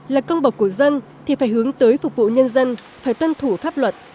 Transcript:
là công bậc của dân thì phải hướng tới phục vụ nhân dân phải tuân thủ pháp luật